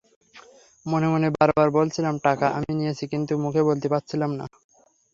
মনে মনে বারবার বলছিলাম টাকা আমি নিয়েছি, কিন্তু মুখে বলতে পারছিলাম না।